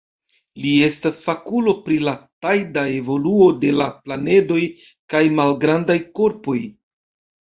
Li estas fakulo pri la tajda evoluo de la planedoj kaj malgrandaj korpoj.